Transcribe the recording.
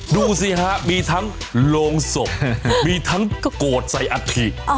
ดูสิฮะมีทั้งโรงศพมีทั้งโกรธใส่อัฐิ